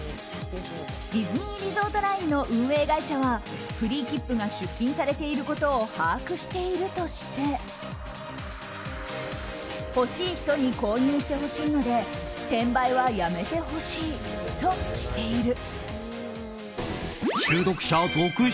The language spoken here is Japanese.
ディズニーリゾートラインの運営会社はフリーきっぷが出品されていることを把握しているとして欲しい人に購入してほしいので転売はやめてほしいとしている。